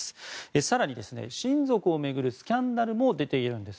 更に、親族を巡るスキャンダルも出ているんです。